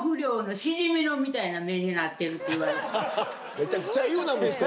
めちゃくちゃ言うな息子。